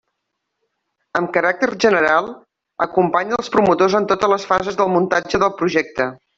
Amb caràcter general acompanya els promotors en totes les fases del muntatge del projecte.